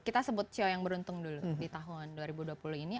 kita sebut ceo yang beruntung dulu di tahun dua ribu dua puluh ini